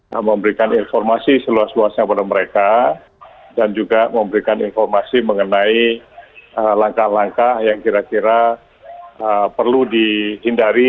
nah memberikan informasi seluas luasnya kepada mereka dan juga memberikan informasi mengenai langkah langkah yang kira kira perlu dihindari